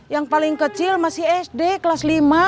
yang paling kecil masih sd kelas lima